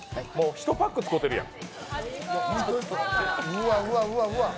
１パック使こうてるやん。